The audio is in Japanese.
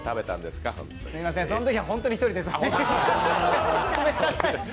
すいません、そのときは本当に１人です。